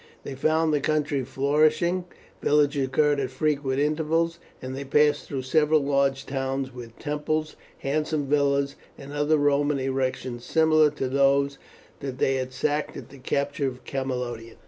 They found the country flourishing. Villages occurred at frequent intervals, and they passed through several large towns with temples, handsome villas, and other Roman erections similar to those that they had sacked at the capture of Camalodunum.